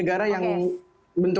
apa yang terjadi